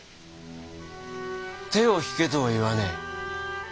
手を引けとは言わねえ。